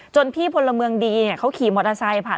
พี่พลเมืองดีเขาขี่มอเตอร์ไซค์ผ่าน